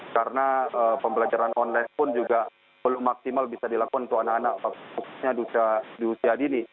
karena pembelajaran online pun juga belum maksimal bisa dilakukan untuk anak anak